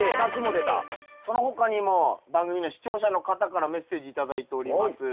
その他にも番組の視聴者の方からメッセージ頂いております。